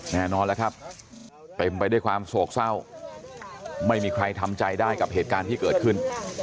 แน่นอนแล้วครับเต็มไปด้วยความโศกเศร้าไม่มีใครทำใจได้กับเหตุการณ์ที่เกิดขึ้น